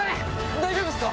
大丈夫っすか？